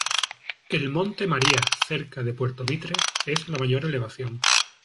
El Monte María, cerca de Puerto Mitre, es la mayor elevación.